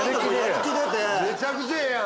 めちゃくちゃええやん！